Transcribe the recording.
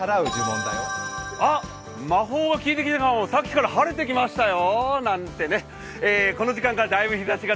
あ、魔法がきいてきたかな、さっきから晴れてきましたよ。